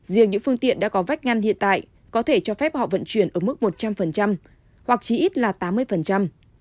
riêng những phương tiện đã có vách ngăn hiện tại có thể cho phép họ vận chuyển ở mức một trăm linh hoặc chỉ ít là tám mươi